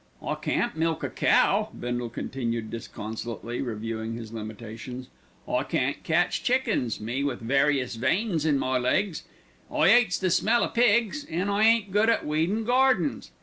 "I can't milk a cow," Bindle continued disconsolately, reviewing his limitations. "I can't catch chickens, me with various veins in my legs, I 'ates the smell o' pigs, an' I ain't good at weedin' gardens.